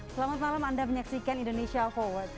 selamat malam anda menyaksikan indonesia forward